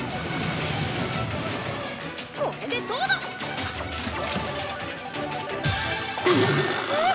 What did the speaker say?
これでどうだ！えっ！？